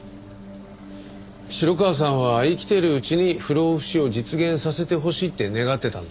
城川さんは生きているうちに不老不死を実現させてほしいって願ってたんですよね？